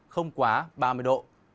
không quá ba mươi độ